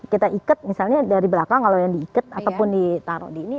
kita ikat misalnya dari belakang kalau yang diikat ataupun ditaruh di ini